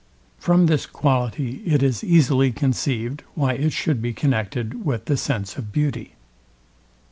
From this quality it is easily conceived why it should be connected with the sense of beauty.